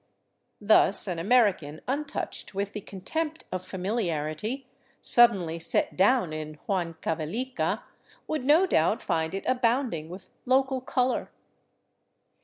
Thus an American untouched with the contempt of fa miliarity, suddenly set down in Huancavelica, would no doubt find it abounding with " local color."